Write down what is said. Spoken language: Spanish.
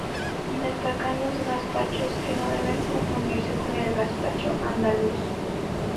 Destacan los gazpachos, que no deben confundirse con el gazpacho andaluz.